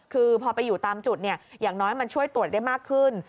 คือพอไปอยู่ตามจุดอย่างน้อยมันช่วยตรวจได้มากขึ้น